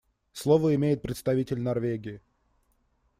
Слово имеет представитель Норвегии.